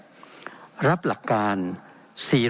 เป็นของสมาชิกสภาพภูมิแทนรัฐรนดร